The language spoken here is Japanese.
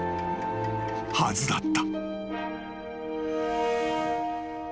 ［はずだった］